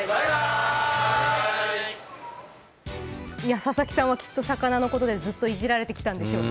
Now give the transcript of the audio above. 佐々木さんはきっと魚のことでずっといじられてきたんでしょうね。